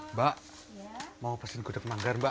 mbak mau pesan gudeg manggar mbak